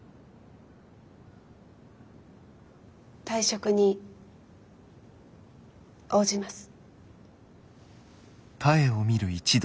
退職に応じます。